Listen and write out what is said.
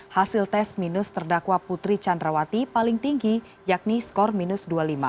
hasil tes minus terdakwa putri candrawati paling tinggi yakni skor minus dua puluh lima